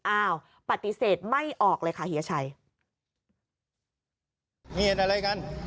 อ้าวปฏิเสธไม่ออกเลยค่ะเฮียชัย